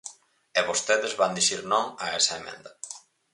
E vostedes van dicir non a esa emenda.